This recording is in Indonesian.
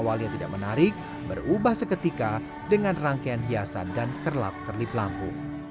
awalnya tidak menarik berubah seketika dengan rangkaian hiasan dan kerlap kerlip lampu